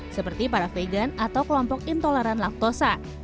seperti para vegan atau kelompok intoleran laktosa